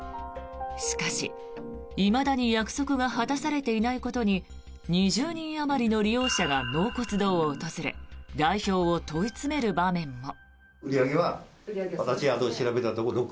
しかし、いまだに約束が果たされていないことに２０人あまりの利用者が納骨堂を訪れ代表を問い詰める場面も。